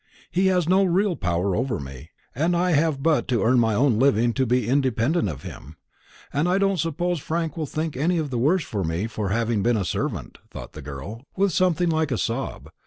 He has no real power over me, and I have but to earn my own living to be independent of him. And I don't suppose Frank will think any the worse of me for having been a servant," thought the girl, with something like a sob.